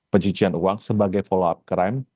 penjijikan uang sebagai follow up krim